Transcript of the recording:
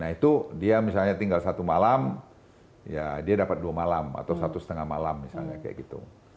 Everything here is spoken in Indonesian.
nah itu dia misalnya tinggal satu malam ya dia dapat dua malam atau satu setengah malam misalnya kayak gitu